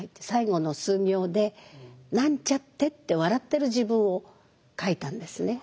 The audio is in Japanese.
最後の数行で「なんちゃって」って笑ってる自分を書いたんですね。